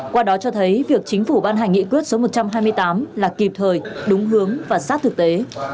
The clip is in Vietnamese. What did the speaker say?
qua đó cho thấy việc chính phủ ban hành nghị quyết số một trăm hai mươi tám là kịp thời đúng hướng và sát thực tế